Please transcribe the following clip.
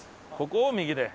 ここを右で。